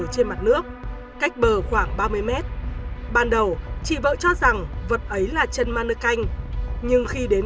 trên mặt nước cách bờ khoảng ba mươi mét ban đầu chị vợ cho rằng vật ấy là chân mano canh nhưng khi đến